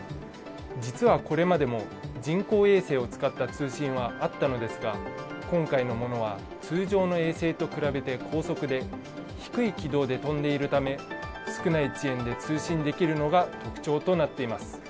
実は、これまでも人工衛星を使った通信はあったのですが今回のものは通常の衛星と比べて高速で、低い軌道で飛んでいるため少ない遅延で通信できるのが特徴となっています。